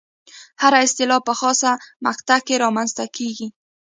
هره اصطلاح په خاصه مقطع کې رامنځته کېږي.